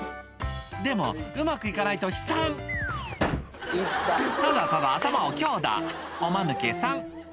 でもうまくいかないと悲惨ただただ頭を強打おマヌケさん